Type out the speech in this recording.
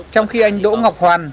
trong khi anh đỗ ngọc hoàn